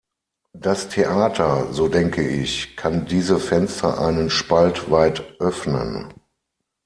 Das Theater, so denke ich, kann diese Fenster einen Spalt weit öffnen.